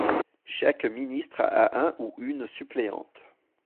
Chaque ministre a un ou une suppléante.